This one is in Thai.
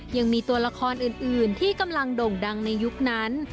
ยังมีตัวละครอื่นที่กำลังโด่งดังในยุคนั้น